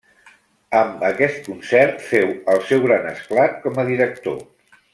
Amb aquest concert féu el seu gran esclat com a director.